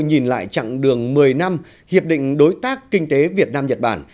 nhìn lại chặng đường một mươi năm hiệp định đối tác kinh tế việt nam nhật bản